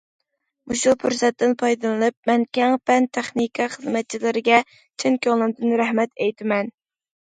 مۇشۇ پۇرسەتتىن پايدىلىنىپ مەن كەڭ پەن- تېخنىكا خىزمەتچىلىرىگە چىن كۆڭلۈمدىن رەھمەت ئېيتىمەن!